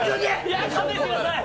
勘弁してください！